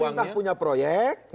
ketika pemerintah punya proyek